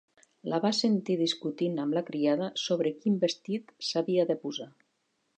La va sentir discutint amb la criada sobre quin vestit s'havia de posar.